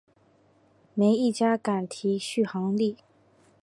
没一家敢提续航力